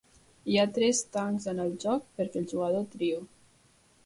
Hi ha tres tancs en el joc perquè el jugador triï.